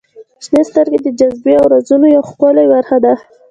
• شنې سترګې د جاذبې او رازونو یوه ښکلې برخه ده.